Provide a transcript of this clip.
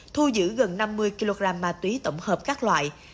thu giữ gần năm mươi kg ma túy tổng hợp các loại